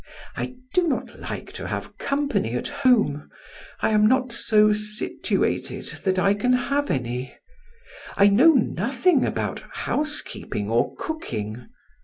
I do not like to have company at home; I am not so situated that I can have any. I know nothing about housekeeping or cooking.